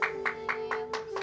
tidak ini sih